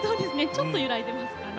ちょっと揺らいでますかね。